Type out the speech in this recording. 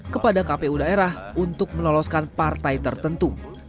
kepada kpu daerah untuk meloloskan partai tertentu